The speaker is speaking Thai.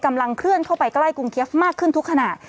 กำลังเคลื่อนเข้าไปใกล้กรุงเกียฟมากขึ้นทุกขณะ